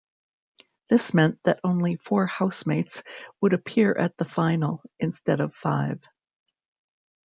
This meant that only four Housemates would appear at the final, instead of five.